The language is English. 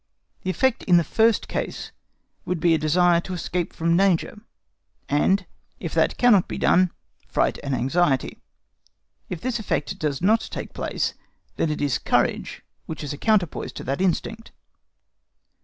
The effect in the first case would be a desire to escape from the danger, and, if that cannot be done, fright and anxiety. If this effect does not take place, then it is courage, which is a counterpoise to that instinct.